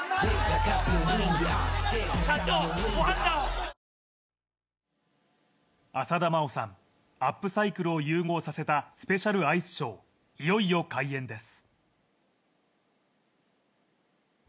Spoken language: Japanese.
選ぶ日がきたらクリナップ浅田真央さん、アップサイクルを融合させたスペシャルアイスショー、いよいよ開演です。